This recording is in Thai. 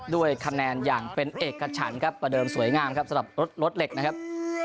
ด้วยคะแนนอย่างเป็นเอกฉันครับประเดิมสวยงามครับสำหรับรถเหล็กนะครับ